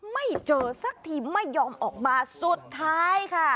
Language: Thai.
ไม่เจอสักทีไม่ยอมออกมาสุดท้ายค่ะ